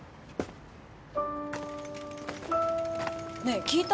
・ねえ聞いた？